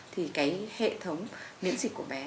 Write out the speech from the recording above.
thì cái hệ thống miễn dịch của bé